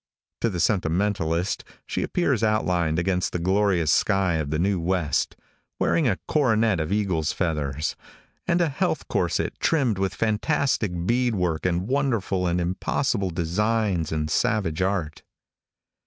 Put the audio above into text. To the sentimentalist she appears outlined against the glorious sky of the new west, wearing a coronet of eagle's feathers, and a health corset trimmed with fantastic bead work and wonderful and impossible designs in savage art.